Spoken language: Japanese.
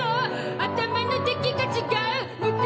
頭の出来が違うので